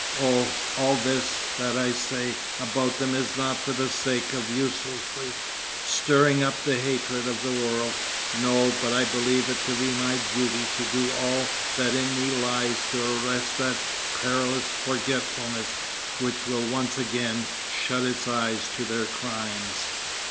Oh, all this that I say about them is not for the sake of uselessly stirring up the hatred of the world; no, but I believe it to be my duty to do all that in me lies to arrest that perilous forgetfulness which will once again shut its eyes to their crimes.